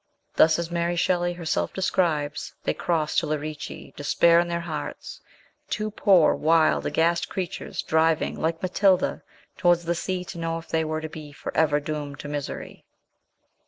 Thus, as Mary Shelley herself describes, they crossed to Lerici, despair in their hearts, two poor, wild, aghast creatures driving, "like Matilda/' towards the sea to know if they were to be for ever doomed to misery.